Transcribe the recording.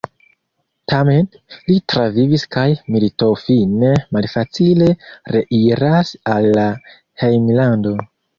Tamen, li travivas kaj militofine malfacile reiras al la hejmlando.